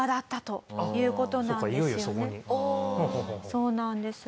そうなんです。